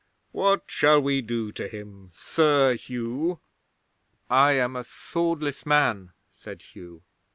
What shall we do to him, Sir Hugh?" '"I am a swordless man," said Hugh.